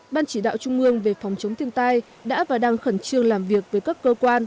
ban chỉ đạo trung ương về phòng chống thiên tai đã và đang khẩn trương làm việc với các cơ quan